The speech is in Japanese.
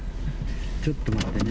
ちょっと待ってね。